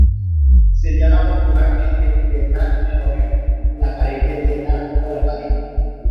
Se llama popularmente Vietnam Memorial, la Pared de Vietnam o la Pared.